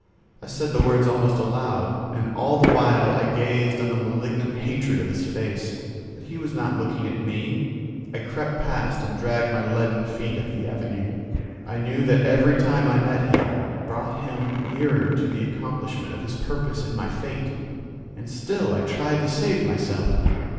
I said the words almost aloud, and all the while I gazed on the malignant hatred of his face. But he was not looking at me. I crept past and dragged my leaden feet up the Avenue. I knew that every time I met him brought him nearer to the accomplishment of his purpose and my fate. And still I tried to save myself.